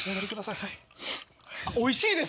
おいしいです。